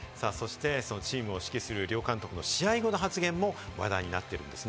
チームを指揮する両監督の試合後の発言も話題になっているんです。